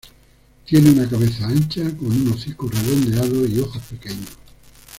Tiene una cabeza ancha, con un hocico redondeado y ojos pequeños.